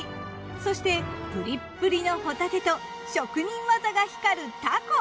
そしてプリップリのほたてと職人技が光るたこ。